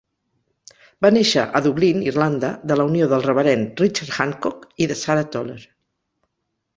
Va néixer a Dublín, Irlanda, de la unió del reverend Richard Handcock i de Sarah Toler.